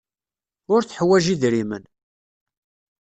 Ur teḥwaj idrimen.